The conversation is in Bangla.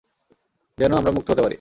যেন আমরা মুক্ত হতে পারি।